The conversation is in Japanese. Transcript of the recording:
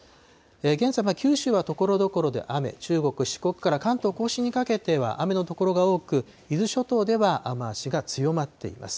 現在、九州はところどころで雨、中国、四国から関東甲信にかけては雨の所が多く、伊豆諸島では雨足が強まっています。